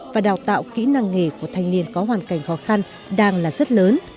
và đào tạo kỹ năng nghề của thanh niên có hoàn cảnh khó khăn đang là rất lớn